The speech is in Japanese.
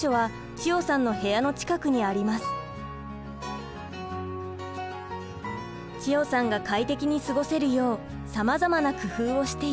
千代さんが快適に過ごせるようさまざまな工夫をしています。